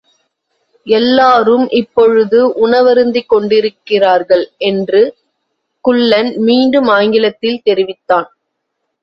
எல்லாரும் இப்பொழுது உணவருந்திக்கொண்டிருக்கிறார்கள் என்று குள்ளன் மீண்டும் ஆங்கிலத்தில் தெரிவித்தான்.